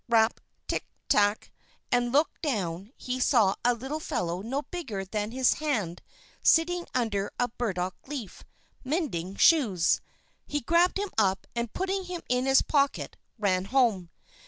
Rap! Tick! Tack!" and looking down he saw a little fellow no bigger than his hand sitting under a burdock leaf, mending shoes. He grabbed him up, and putting him in his pocket, ran home.